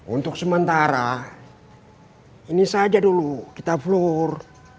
untuk sementara ini saja dulu kita floor